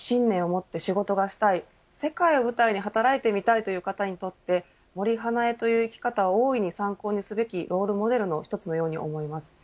信念をもって仕事がしたい世界を舞台に働いてみたいという方にとって森英恵という生き方は大いに参考すべきロールモデルの一つのように思います。